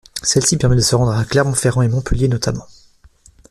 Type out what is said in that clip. Celle-ci permet de se rendre à Clermont-Ferrand et Montpellier notamment.